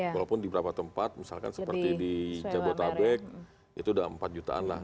walaupun di beberapa tempat misalkan seperti di jabotabek itu sudah empat jutaan lah